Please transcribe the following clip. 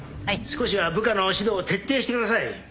少しは部下の指導を徹底してください。